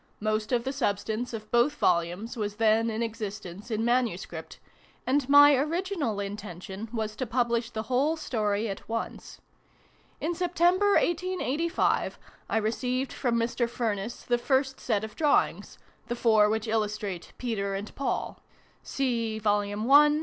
Most of the substance of both Volumes was then in existence in manuscript : and my original intention was to publish the whole story at once. In September, 1885, I received from Mr. Furniss the first set of drawings the four which illustrate "Peter and Paul" (see I. pp.